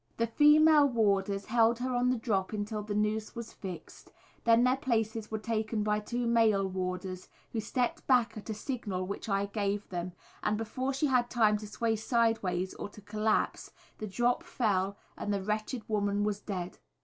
The female warders held her on the drop until the noose was fixed, then their places were taken by two male warders who stepped quickly back at a signal which I gave them, and before she had time to sway sideways or to collapse the drop fell and the wretched woman was dead.